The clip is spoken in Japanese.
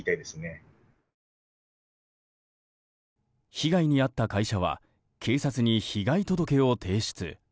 被害に遭った会社は警察に被害届を提出。